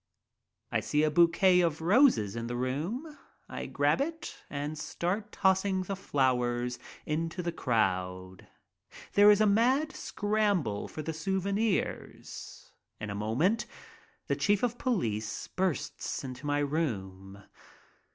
I see a bouquet of roses in the room. I grab it and start tossing the flowers into the crowd. There is a mad scramble for the souvenirs. In a moment the chief of police bursts into my room.